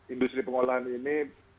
industri pengolahan ini